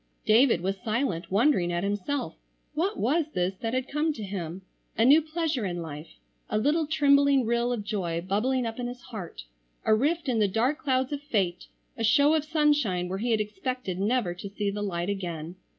David was silent, wondering at himself. What was this that had come to him? A new pleasure in life. A little trembling rill of joy bubbling up in his heart; a rift in the dark clouds of fate; a show of sunshine where he had expected never to see the light again.